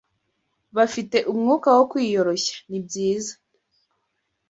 Bafite umwuka wo kwiyoroshya nibyiza